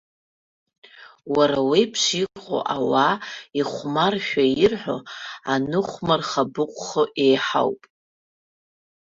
Уара уеиԥш иҟоу ауаа ихәмаршәа ирҳәо аныхәмар-хабыҟәхо еиҳауп.